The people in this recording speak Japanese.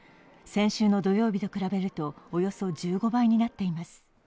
先週の土曜日と比べるとおよそ１５倍になっています。